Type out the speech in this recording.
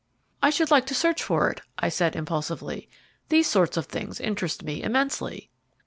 "I should like to search for it," I said impulsively; "these sorts of things interest me immensely."